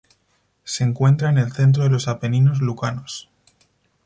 Se encuentra en el centro de los Apeninos lucanos.